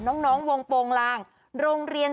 น้องวงโปรงลางโรงเรียน